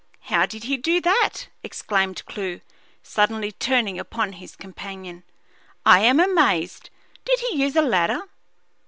"How did he do that?" exclaimed Clewe, suddenly turning upon his companion. "I am amazed! Did he use a ladder?"